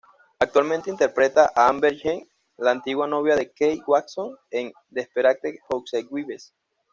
Actualmente interpreta a Amber James, la antigua novia de Keith Watson, en "Desperate Housewives".